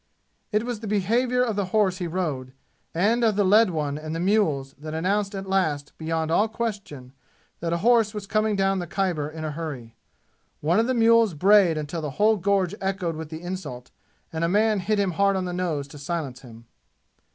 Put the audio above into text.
It was the behavior of the horse he rode, and of the led one and the mules, that announced at last beyond all question that a horse was coming down the Khyber in a hurry. One of the mules brayed until the whole gorge echoed with the insult, and a man hit him hard on the nose to silence him.